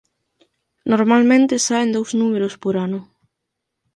Normalmente saen dous números por ano.